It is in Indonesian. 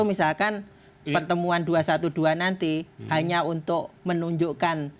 misalkan pertemuan dua ratus dua belas nanti hanya untuk menunjukkan